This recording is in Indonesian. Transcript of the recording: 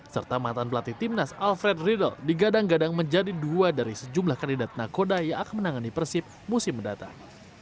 serta mantan pelatih timnas alfred riedel digadang gadang menjadi dua dari sejumlah kandidat nakoda yang akan menangani persib musim mendatang